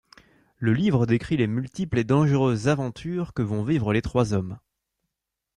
Le livre décrit les multiples et dangereuses aventures que vont vivre les trois hommes.